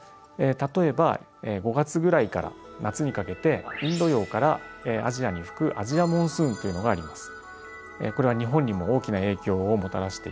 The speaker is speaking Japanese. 例えば５月ぐらいから夏にかけてインド洋からアジアに吹く「アジア・モンスーン」というのがあります。